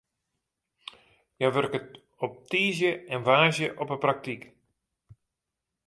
Hja wurket op tiisdei en woansdei op de praktyk.